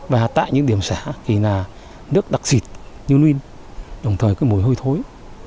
và tại những điểm xả thì là nước đặc xịt như nuyên đồng thời có mùi hôi thối